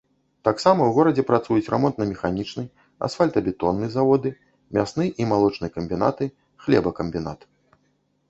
Таксама ў горадзе працуюць рамонтна-механічны, асфальтабетонны заводы, мясны і малочны камбінаты, хлебакамбінат.